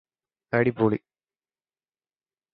അടിപൊളി